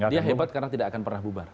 dia hebat karena tidak akan pernah bubar